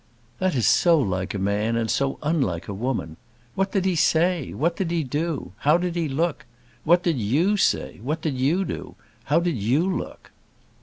"That is so like a man and so unlike a woman. What did he say? What did he do? How did he look? What did you say? What did you do? How did you look?"